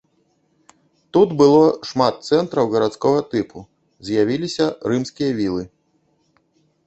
Тут было шмат цэнтраў гарадскога тыпу, з'явіліся рымскія вілы.